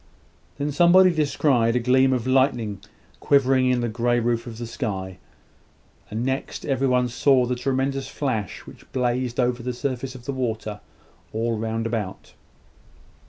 Then somebody descried a gleam of lightning quivering in the grey roof of the sky; and next, every one saw the tremendous flash which blazed over the surface of the water, all round about.